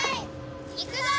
いくぞ！